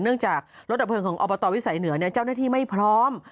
เนื่องจากรถดับเพลิงของอบตวิสัยเหนือเจ้าหน้าที่ไม่พร้อม